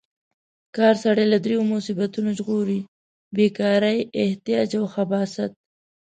کار سړی له دریو مصیبتونو ژغوري: بې کارۍ، احتیاج او خباثت.